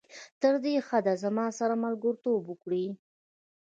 تر دې حده زما سره ملګرتوب وکړي.